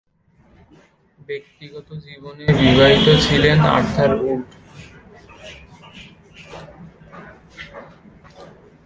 ব্যক্তিগত জীবনে বিবাহিত ছিলেন আর্থার উড।